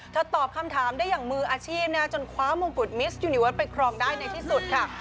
ตอบคำถามได้อย่างมืออาชีพจนคว้ามงกุฎมิสยูนิเวิร์ดไปครองได้ในที่สุดค่ะ